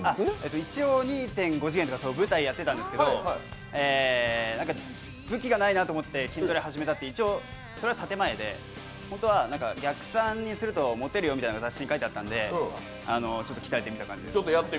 一応２．５次元の舞台やっていたんですけど武器がないなと思って筋トレ始めたというのは建て前で、本当は、逆三にするとモテるよって見たんでちょっと鍛えてみた感じです。